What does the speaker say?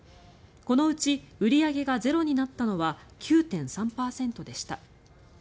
このうち売り上げがゼロになったのは９．３％でした。